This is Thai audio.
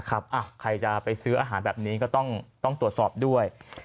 ใครจะไปซื้ออาหารแบบนี้ก็ต้องตรวจสอบด้วย